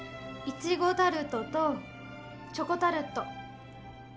イチゴタルトとチョコタルト。